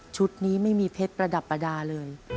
นี้ไม่มีเพชรประดับประดาษเลย